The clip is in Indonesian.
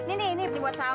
ini ini dibuat sama